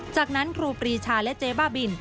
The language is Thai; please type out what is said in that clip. จากนั้นครูปรีชาและเจ๊บ้าบิน